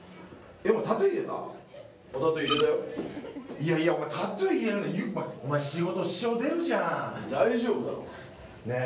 いやいやお前タトゥー入れるのお前仕事支障出るじゃん大丈夫だろねえ？